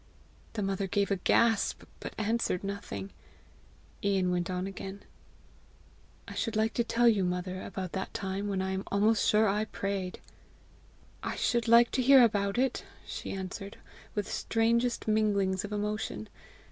The mother gave a gasp, but answered nothing. Ian went on again. "I should like to tell you, mother, about that time when I am almost sure I prayed!" "I should like to hear about it," she answered, with strangest minglings of emotion.